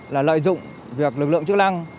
là lợi dụng việc lực lượng chức năng